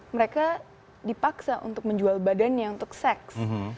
mereka dipaksa untuk menjual badannya untuk seks